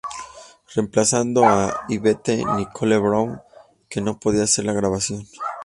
Reemplazando a Yvette Nicole Brown, que no podía hacer la grabación.